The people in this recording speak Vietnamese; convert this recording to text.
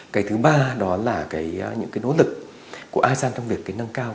cái thứ ba đó là những cái nỗ lực của asean trong việc nâng cao